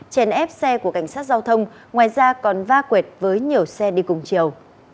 chèn ép xe của cảnh sát giao thông ngoài ra còn va quệt với nhiều xe đi cùng chiều